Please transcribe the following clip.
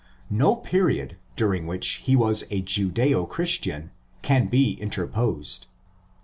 No period during which he was a Judso Christian can be interposed.